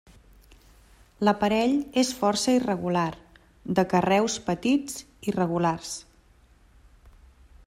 L'aparell és força irregular, de carreus petits irregulars.